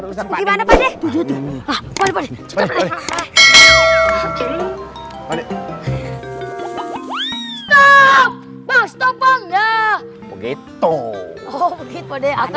bisa kalau mau numpang mobil cari yang ac